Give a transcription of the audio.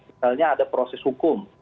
misalnya ada proses hukum